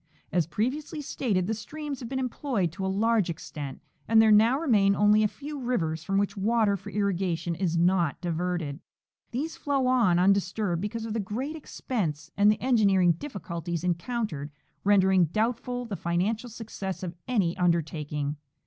As previously stated, the streams have been employed to a large extent and there now remain only a few rivers from which water for irrigation is not diverted.f These flow on undisturbed because of the great expense, and the engineering difliculties encountered rendering doubtful the financial success of any undertaking.